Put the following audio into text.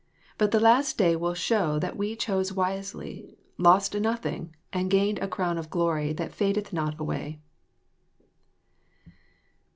But the last day will show that we chose wisely, lost nothing, and gained a crown of glory that fadeth not away.